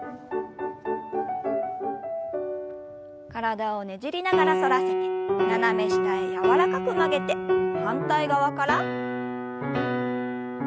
体をねじりながら反らせて斜め下へ柔らかく曲げて反対側から。